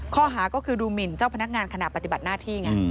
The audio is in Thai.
ข้อหาก็คือดูหมินเจ้าพนักงานขณะปฏิบัติหน้าที่ไง